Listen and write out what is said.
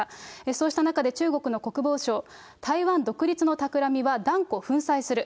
そうした中で中国の国防相、台湾独立のたくらみは断固粉砕する。